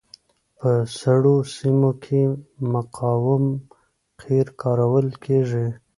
په سړو سیمو کې مقاوم قیر کارول کیږي